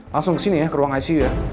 langsung ke sini ya ke ruang icu ya